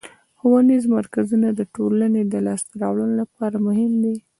ښوونیز مرکزونه د ټولنې د لاسته راوړنو لپاره مهم دي.